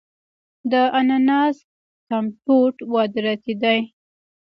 د اناناس کمپوټ وارداتی دی.